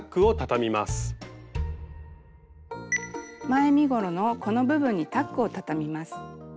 前身ごろのこの部分にタックをたたみます。